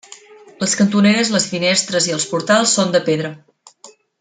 Les cantoneres, les finestres i els portals són de pedra.